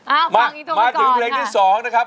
อ่าฟังอีโทษก่อนค่ะมาถึงเพลงที่๒นะครับ